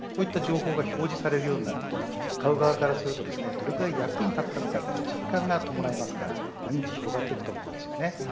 こういった情報が表示されるようになると買う側からするとどれぐらい役になったのかという実感が伴いますから認知が広がっていきます。